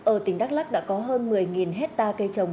ở tỉnh đắk lắc đã có hơn một mươi hectare cây trồng